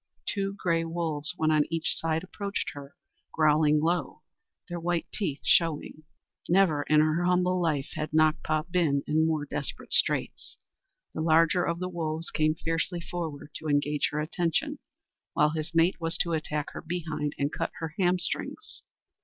Two gray wolves, one on each side, approached her, growling low their white teeth showing. Never in her humble life had Nakpa been in more desperate straits. The larger of the wolves came fiercely forward to engage her attention, while his mate was to attack her behind and cut her hamstrings.